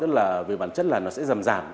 tức là về bản chất là nó sẽ giảm giảm